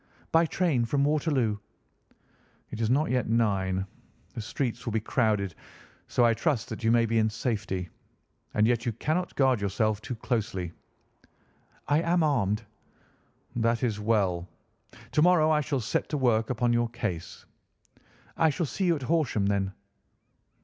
"By train from Waterloo." "It is not yet nine. The streets will be crowded, so I trust that you may be in safety. And yet you cannot guard yourself too closely." "I am armed." "That is well. To morrow I shall set to work upon your case." "I shall see you at Horsham, then?"